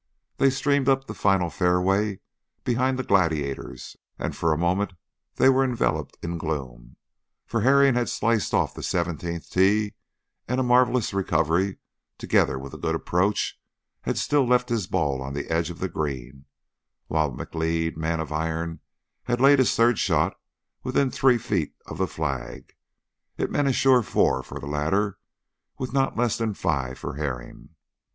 They streamed up the final fairway behind the gladiators and for the moment they were enveloped in gloom, for Herring had sliced off the seventeenth tee and a marvelous recovery, together with a good approach, had still left his ball on the edge of the green, while McLeod, man of iron, had laid his third shot within three feet of the flag. It meant a sure four for the latter, with not less than a five for Herring.